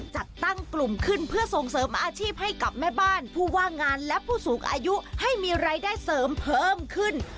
จัดตั้งกลุ่มขึ้นเพื่อส่งเสริมอาชีพให้กับแม่บ้านผู้ว่างงานและผู้สูงอายุให้มีรายได้เสริมเพิ่มขึ้น